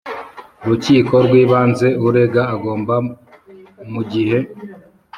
Rukiko rw Ibanze Urega agomba mu gihe